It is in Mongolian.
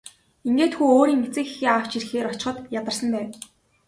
Ингээд хүү өөрийн эцэг эхээ авч ирэхээр очиход ядарсан байв.